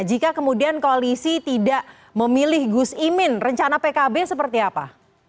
jika kemudian koalisi tidak memilih gus imin rencana pkb seperti apa